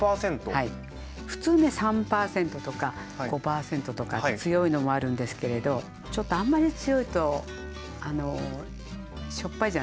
普通ね３％とか５％とかって強いのもあるんですけれどちょっとあんまり強いとしょっぱいじゃないですか。